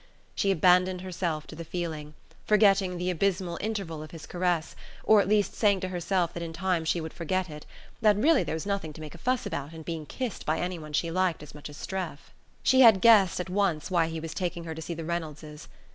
She abandoned herself to the feeling, forgetting the abysmal interval of his caress, or at least saying to herself that in time she would forget it, that really there was nothing to make a fuss about in being kissed by anyone she liked as much as Streff.... She had guessed at once why he was taking her to see the Reynoldses.